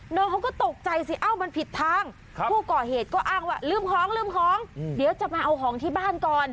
เขาก็ตกใจสิเอ้ามันผิดทางผู้ก่อเหตุก็อ้างว่าลืมของลืมของเดี๋ยวจะมาเอาของที่บ้านก่อน